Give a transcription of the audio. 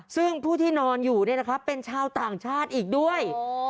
ซึ่งผู้ที่นอนอยู่เป็นชาวต่างชาติอีกด้วย